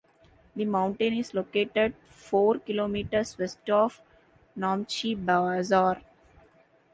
The mountain is located four kilometers west of Namche Bazaar.